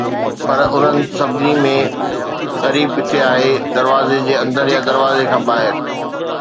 پر انهن سڀني ۾ غريب ڪٿي آهي، دروازي جي اندر يا دروازي کان ٻاهر؟